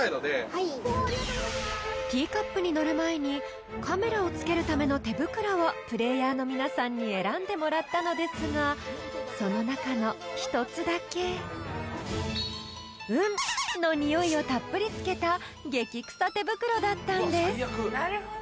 ［ティーカップに乗る前にカメラを付けるための手袋をプレイヤーの皆さんに選んでもらったのですがその中の１つだけうんのにおいをたっぷりつけた激くさ手袋だったんです］